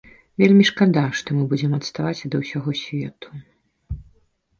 Вельмі шкада, што мы будзем адставаць ад усяго свету.